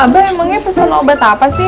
abah emangnya pesen obat apa sih